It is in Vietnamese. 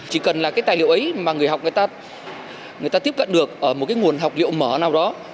chỉ cần là cái tài liệu ấy mà người học người ta người ta tiếp cận được ở một cái nguồn học liệu mở nào đó